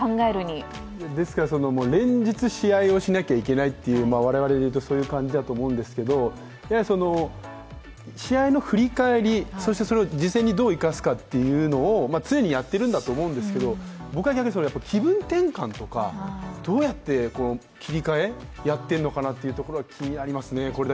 連日試合をしなきゃいけないという、我々でいうとそういう感じだと思うんですけど、やはり試合の振り返り、そしてそれを次戦にどう生かすのかというのは常にやってるんだと思うんですけど、逆に気分転換とかどうやって切り替えをやっているのかなというところが気になりますね。